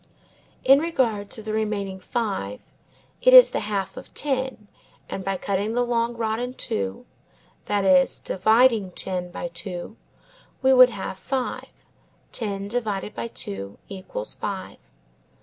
In regard to the remaining five, it is the half of ten, and by cutting the long rod in two, that is dividing ten by two, we would have five; ten divided by two equals five.